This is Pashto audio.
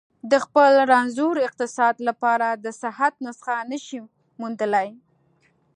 د خپل رنځور اقتصاد لپاره د صحت نسخه نه شي موندلای.